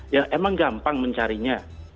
ya emang gampang mencarinya